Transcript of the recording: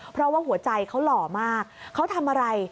เพราะว่าหัวใจเขาหล่อมากเขาทำอะไร